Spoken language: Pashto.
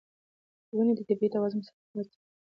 ونې د طبیعي توازن په ساتلو کې مرسته کوي.